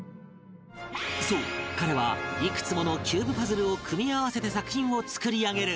そう彼はいくつものキューブパズルを組み合わせて作品を作り上げる